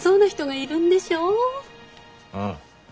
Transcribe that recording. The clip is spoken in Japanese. うん。